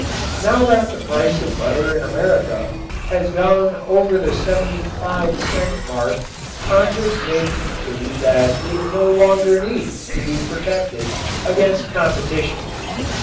Now that the price of butter in America has gone over the seventy five cent mark Congress may conclude that it no longer needs to be protected against competition.